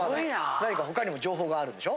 何か他にも情報があるんでしょ？